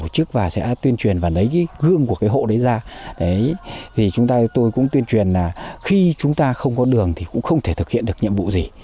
đấy thì chúng ta tôi cũng tuyên truyền là khi chúng ta không có đường thì cũng không thể thực hiện được nhiệm vụ gì